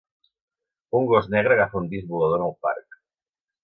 Un gos negre agafa un disc volador en el parc.